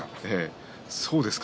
そうですか。